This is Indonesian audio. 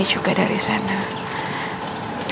dan mau ngurusin perusahaan aku